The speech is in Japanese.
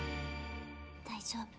大丈夫。